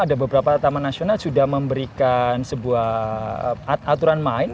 ada beberapa taman nasional sudah memberikan sebuah aturan main